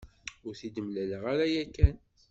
Ur t-id-mlaleɣ ara yakan.